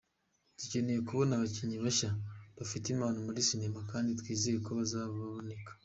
Dukeneye kubona abakinnyi bashya, bafite impano muri sinema kandi twizeye ko bazaboneka”.